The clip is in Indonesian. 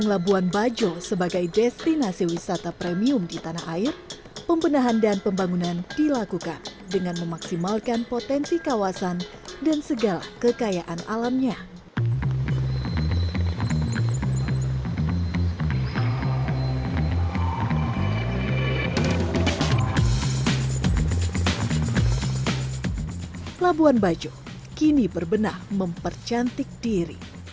labuan bajo kini berbenah mempercantik diri